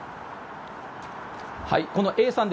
このＡさん